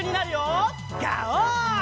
ガオー！